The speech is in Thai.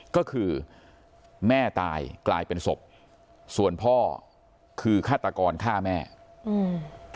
ก็คือแม่ตายกลายเป็นศพส่วนพ่อคือฆาตกรฆ่าแม่อืม